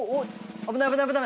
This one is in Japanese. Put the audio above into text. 危ない危ない。